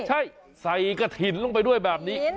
ใช่ใส่กระถิ่นลงไปด้วยแบบนี้